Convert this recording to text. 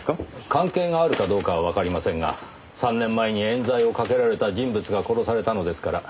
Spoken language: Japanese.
関係があるかどうかはわかりませんが３年前に冤罪をかけられた人物が殺されたのですから念のために。